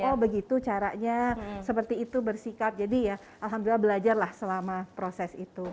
oh begitu caranya seperti itu bersikap jadi ya alhamdulillah belajarlah selama proses itu